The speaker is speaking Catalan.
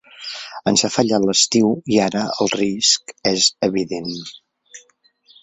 Ens ha fallat l’estiu i ara el risc és evident.